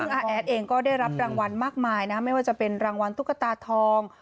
ซึ่งอาแอดเองก็ได้รับรางวัลมากมายนะไม่ว่าจะเป็นรางวัลตุ๊กตาทอง